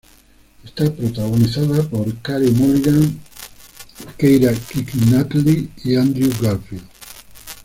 Está protagonizada por Carey Mulligan, Keira Knightley y Andrew Garfield.